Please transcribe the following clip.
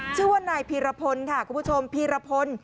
ชื่อว่าในผีระพ้นค่ะคุณผู้ชมผีระพ้น